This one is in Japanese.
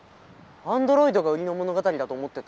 アンドロイドが売りの物語だと思ってた。